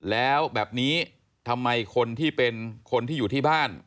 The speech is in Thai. แล้วแบบนี้ทำไมคนที่เป็นคนที่อยู่ที่บ้าน